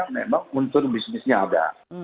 memang unsur bisnisnya ada